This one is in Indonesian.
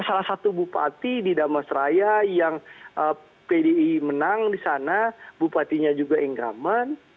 salah satu bupati di damasraya yang pdi menang di sana bupatinya juga ingkaman